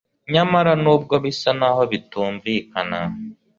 nyamara nubwo bisa naho bitumvikana